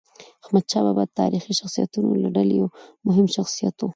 احمدشاه بابا د تاریخي شخصیتونو له ډلې یو مهم شخصیت و.